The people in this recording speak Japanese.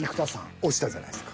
押したじゃないですか。